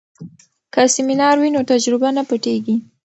که سمینار وي نو تجربه نه پټیږي.